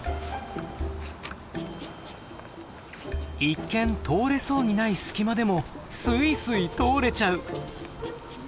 一見通れそうにない隙間でもスイスイ通れちゃう！